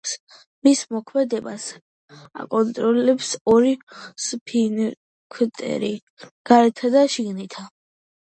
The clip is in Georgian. მის მოქმედებას აკონტროლებს ორი სფინქტერი: გარეთა და შიგნითა.